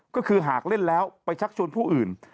ก็คือหากเล่นแล้วไปชักชวนผู้อื่น